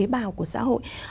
một tế bào của xã hội